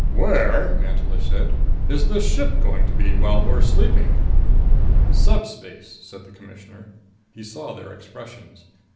"Where," Mantelish said, "is the ship going to be while we're sleeping?" "Subspace," said the Commissioner. He saw their expressions.